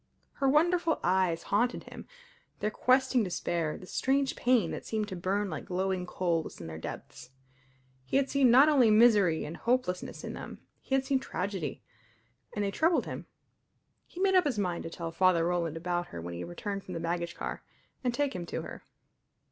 Her wonderful eyes haunted him their questing despair, the strange pain that seemed to burn like glowing coals in their depths. He had seen not only misery and hopelessness in them; he had seen tragedy; and they troubled him. He made up his mind to tell Father Roland about her when he returned from the baggage car, and take him to her.